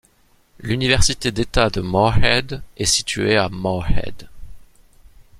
L'université d'État de Morehead est située à Morehead.